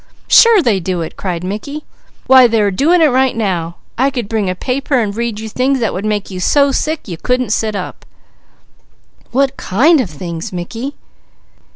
"Sure they do it!" cried Mickey. "Why they are doing it right now! I could bring a paper and read you things that would make you so sick you couldn't sit up!" "What kind of things, Mickey?"